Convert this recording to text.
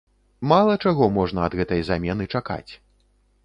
Мала чаго можна ад гэтай замены чакаць.